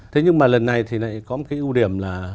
thế nhưng mà lần này thì lại có một cái ưu điểm là